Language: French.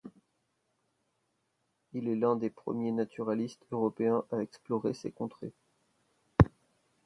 Il est l'un des premiers naturalistes européens à explorer ces contrées.